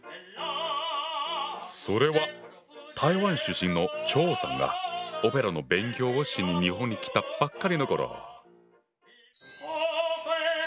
それは台湾出身の張さんがオペラの勉強をしに日本に来たばっかりの頃。